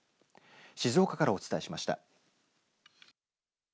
静岡からお伝えしました。